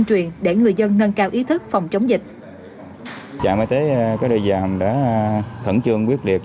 dịch để người dân nâng cao ý thức phòng chống dịch trạm y tế cái đôi vàm đã khẩn trương quyết liệt